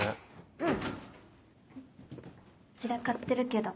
うん。